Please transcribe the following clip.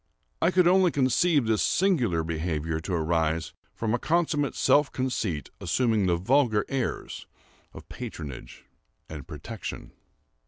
I could only conceive this singular behavior to arise from a consummate self conceit assuming the vulgar airs of patronage and protection.